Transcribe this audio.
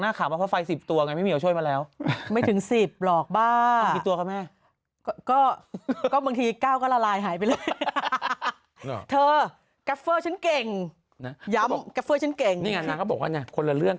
นี่ไงนะเขาบอกว่าเนี่ยคนละเรื่อง